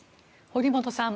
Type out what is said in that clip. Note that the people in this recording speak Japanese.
堀本さん